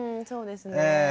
そうですね。